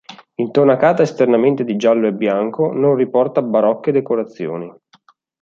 Intonacata esternamente di giallo e bianco, non riporta barocche decorazioni.